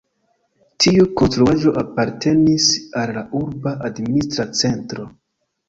Tiu konstruaĵo apartenis al la urba administra centro.